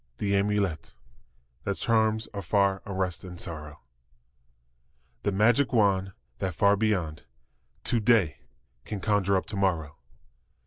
The amulet That charms afar unrest and sorrow; The magic wand that far beyond To day can conjure up to morrow.